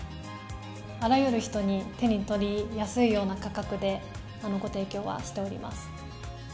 あらゆる人に手に取りやすいような価格でご提供はしております。